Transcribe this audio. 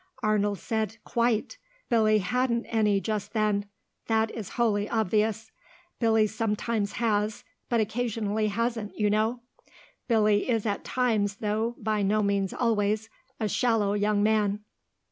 Arnold said, "Quite. Billy hadn't any just then. That is wholly obvious. Billy sometimes has, but occasionally hasn't, you know. Billy is at times, though by no means always, a shallow young man."